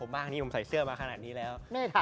ไม่ถามเลย